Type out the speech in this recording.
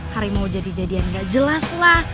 hari mau jadi jadian gak jelas lah